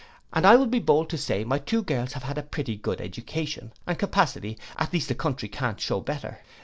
And I will be bold to say my two girls have had a pretty good education, and capacity, at least the country can't shew better.